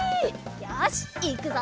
よしいくぞ。